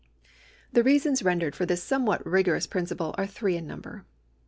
The reasons rendered for this somewhat rigorous principle are three in number.